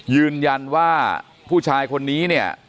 ยืนยันว่าผู้ชายคนนี้